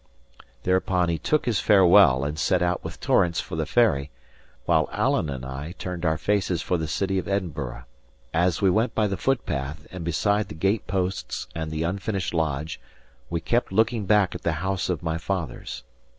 Thereupon he took his farewell, and set out with Torrance for the Ferry, while Alan and I turned our faces for the city of Edinburgh. As we went by the footpath and beside the gateposts and the unfinished lodge, we kept looking back at the house of my fathers.